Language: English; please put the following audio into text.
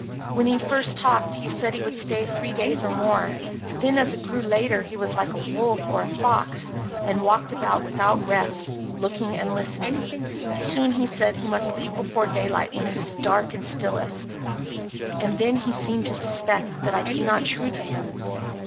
When he first talked he said he would stay three days or more. Then as it grew later he was like a wolf or a fox, and walked about without rest, looking and listening. Soon he said he must leave before daylight when it is dark and stillest. And then he seemed to suspect that I be not true to him.